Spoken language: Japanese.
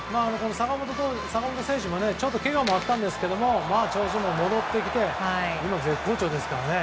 坂本選手もちょっとけがもあったんですが調子も戻ってきて今、絶好調ですからね。